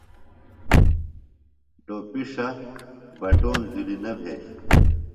ٹوۡپیۡ ݜہ، بٹوم جُھلیۡ نہ بھیش۔